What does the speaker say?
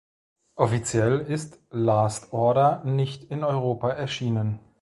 Offiziell ist "Last Order" nicht in Europa erschienen.